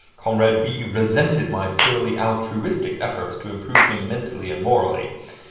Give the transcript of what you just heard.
Comrade B. resented my purely altruistic efforts to improve him mentally and morally.